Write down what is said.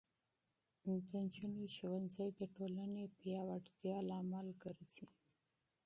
د نجونو ښوونځی د ټولنې پیاوړتیا لامل ګرځي.